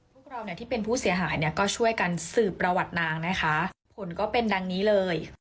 พวกเราเนี่ยที่เป็นผู้เสียหายเนี่ยก็ช่วยกันสืบประวัตินางนะคะผลก็เป็นดังนี้เลย